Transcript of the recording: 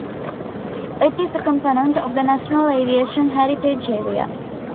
It is a component of the National Aviation Heritage Area.